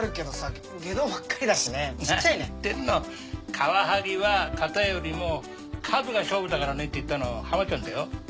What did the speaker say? カワハギは型よりも数が勝負だからねって言ったのハマちゃんだよ。